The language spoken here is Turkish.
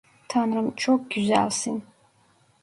Tanrım, çok güzelsin.